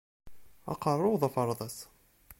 Aqeṛṛu-w d aferḍas!